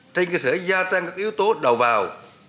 tên cơ thể gia tăng các yếu tố đầu vào